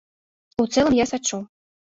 У цэлым, я сачу.